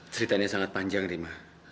ceritanya sangat panjang rima